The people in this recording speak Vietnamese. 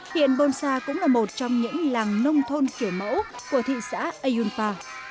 hiện bồn sa cũng là một trong những làng nông thôn kiểu mẫu của thị xã ayunpa